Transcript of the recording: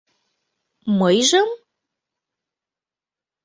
— Мыйжым?